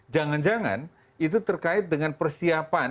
jangan jangan itu terkait dengan persiapan